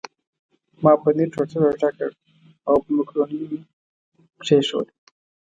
ما پنیر ټوټه ټوټه کړ او په مکرونیو مې کښېښود.